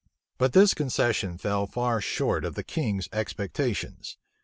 But this concession fell far short of the king's expectations.